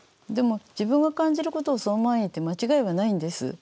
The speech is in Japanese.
でも自分が感じることをそのまま言って間違いはないんです。